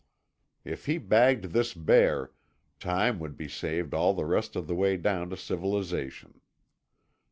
If he bagged this bear, time would be saved all the rest of the way down to civilization.